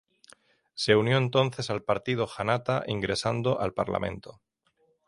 Se unió entonces al Partido Janata, ingresando al parlamento.